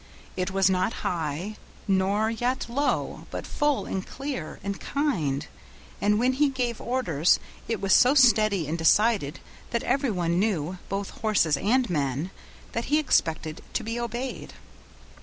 It was not high, nor yet low, but full, and clear, and kind, and when he gave orders it was so steady and decided that every one knew, both horses and men, that he expected to be obeyed.